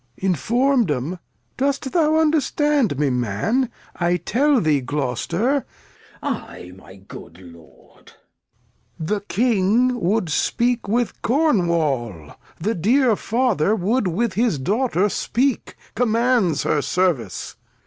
Lear. Inform'd 'em! dost thou understand me, Man, I teU thee, Gloster, Glost. I, my good Lord. Lear. The King wou'd speak with Cornwal, the dear Father Wou'd with his Daughter speak, commands her Service.